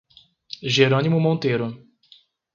Jerônimo Monteiro